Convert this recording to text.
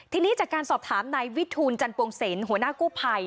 ทีนี้จากการสอบถามนายวิทูลจันปวงเสนหัวหน้ากู้ภัย